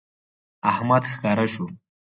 احمد ښکاره شو